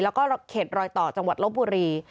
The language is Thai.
แล้วก็เขตรอยต่อจังหวัดลบบุรี